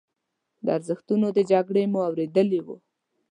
د ارزښتونو د جګړې مو اورېدلي وو.